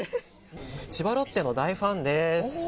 千葉ロッテの大ファンです。